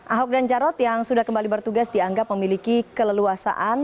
ahok dan jarot yang sudah kembali bertugas dianggap memiliki keleluasaan